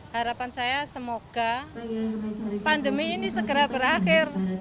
harapan saya semoga pandemi ini segera berakhir